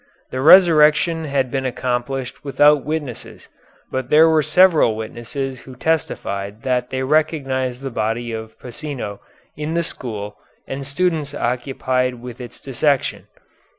The resurrection had been accomplished without witnesses, but there were several witnesses who testified that they recognized the body of Pasino in the school and students occupied with its dissection.